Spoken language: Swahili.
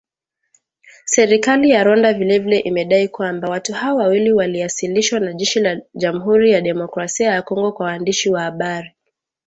Serikali ya Rwanda vile vile imedai kwamba watu hao wawili waliasilishwa na jeshi la Jamuhuri ya Demokrasia ya Kongo kwa waandishi wa habari